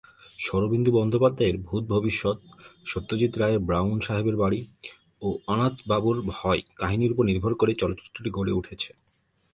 শরদিন্দু বন্দ্যোপাধ্যায়ের "ভূত ভবিষ্যৎ", সত্যজিৎ রায়ের "ব্রাউন সাহেবের বাড়ি" ও "অনাথ বাবুর ভয়" কাহিনীর ওপর নির্ভর করে চলচ্চিত্রটি গড়ে উঠেছে।